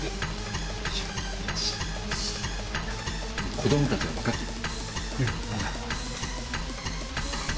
子供たちは分かってる。